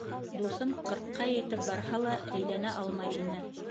Дуҫым, ҡырҡҡа етеп барһа ла, әйләнә алмай ине.